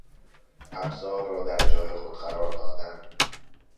ابزار را در جای خود قرار دادن